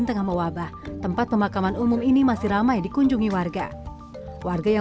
tengah mewabah tempat pemakaman umum ini masih ramai dikunjungi warga warga yang